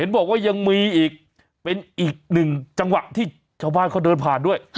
บอกว่ายังมีอีกเป็นอีกหนึ่งจังหวะที่ชาวบ้านเขาเดินผ่านด้วย